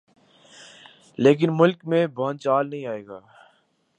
لیکن ملک میں بھونچال نہیں آئے گا۔